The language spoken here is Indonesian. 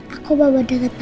aku bawa dengan papa ya